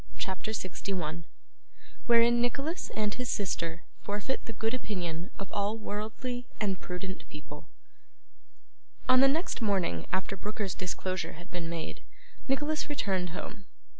CHAPTER 61 Wherein Nicholas and his Sister forfeit the good Opinion of all worldly and prudent People On the next morning after Brooker's disclosure had been made, Nicholas returned home.